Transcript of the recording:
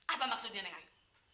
apa maksudnya nek ayu